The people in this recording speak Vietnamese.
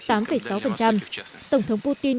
tổng thống putin